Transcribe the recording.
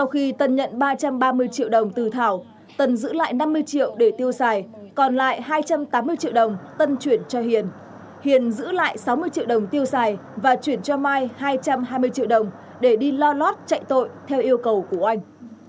hiền giữ lại sáu mươi triệu đồng tiêu xài và chuyển cho mai hai trăm hai mươi triệu đồng để đi lo lót chạy tội theo yêu cầu của oanh